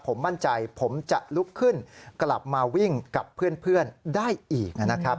ผมมั่นใจผมจะลุกขึ้นกลับมาวิ่งกับเพื่อนได้อีกนะครับ